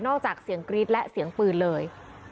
จากเสียงกรี๊ดและเสียงปืนเลย